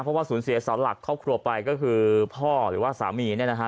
เพราะว่าสูญเสียเสาหลักครอบครัวไปก็คือพ่อหรือว่าสามีเนี่ยนะฮะ